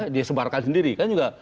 disebarkan sendiri kan juga